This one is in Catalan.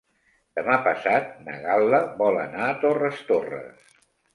Demà passat na Gal·la vol anar a Torres Torres.